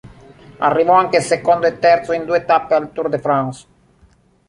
Arrivò anche secondo e terzo in due tappe al Tour de France.